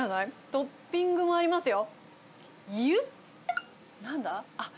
トッピングもありますよ。